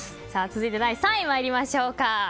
続いて、第３位参りましょう。